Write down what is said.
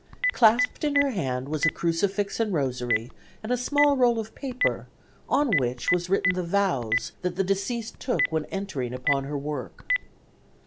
Clasped in her hand was a crucifix and rosary and a small roll of paper, on which was written the vows that the deceased took when entering upon her work.